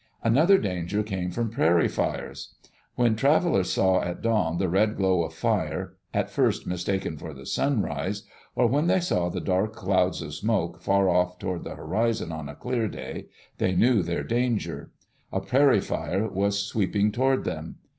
Another danger came from prairie fires. When trav elers saw at dawn the red glow of fire, at first mistaken for the sunrise, or when they saw the dark clouds of smoke far off toward the horizon on a clear day, they knew their danger. A prairie fire was sweeping toward them.